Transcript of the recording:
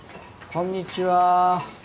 こんにちは。